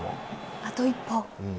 あと一歩。